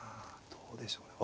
どうでしょうね。